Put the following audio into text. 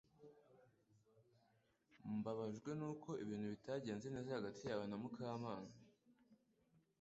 Mbabajwe nuko ibintu bitagenze neza hagati yawe na Mukamana